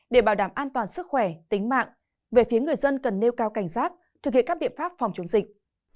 để bảo đảm an toàn sức khỏe tính mạng về phía người dân cần nêu cao cảnh giác thực hiện các biện pháp phòng chống dịch